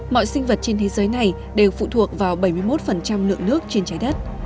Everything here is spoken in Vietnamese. mọi sinh vật trên thế giới này đều phụ thuộc vào bảy mươi một lượng nước trên trái đất